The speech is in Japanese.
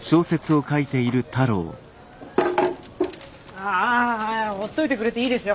あほっといてくれていいですよ。